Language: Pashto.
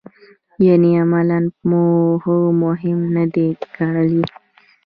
یعنې عملاً مو هغه مهم نه دی ګڼلی.